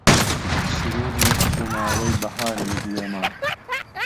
سروودی خوناوەی بەهارە لە گوێما